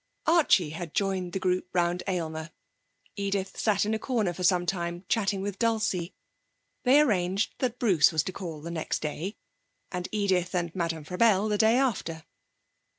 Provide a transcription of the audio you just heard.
Archie had joined the group round Aylmer. Edith sat in a corner for some time, chatting with Dulcie. They arranged that Bruce was to call the next day, and Edith and Madame Frabelle the day after.